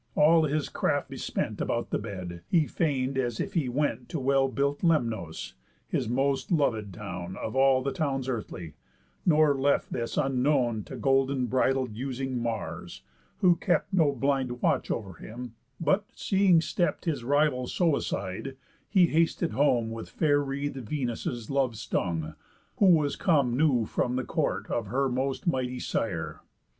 All his craft bespent About the bed, he feign'd as if he went To well built Lemnos, his most lovéd town Of all towns earthly; nor left this unknown To golden bridle using Mars, who kept No blind watch over him, but, seeing stept His rival so aside, he hasted home With fair wreath'd Venus' love stung, who was come New from the court of her most mighty Sire.